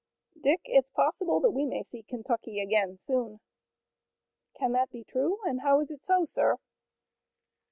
"Dick, it's possible that we may see Kentucky again soon." "Can that be true, and how is it so, sir?"